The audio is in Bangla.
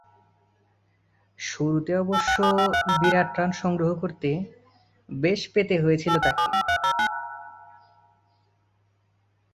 শুরুতে অবশ্য বিরাট রান সংগ্রহ করতে বেশ পেতে হয়েছিল তাকে।